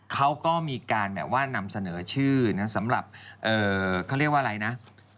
เขาก็มีการแบบว่านำเสนอชื่อนะสำหรับเขาเรียกว่าอะไรนะ